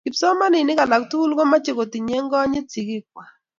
kipsomaninik ak laak tokol komeche kotinye konyit sikiik kwach